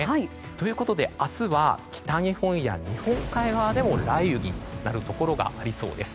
ということで、明日は北日本や日本海側でも雷雨になるところがありそうです。